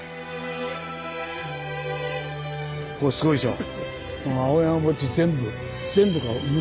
これすごいでしょ。